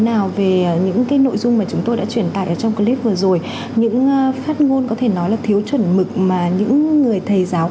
a còng truyền hình công an